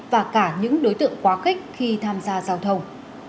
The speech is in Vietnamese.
và cả những đối tượng quá khích khi tham gia giao thông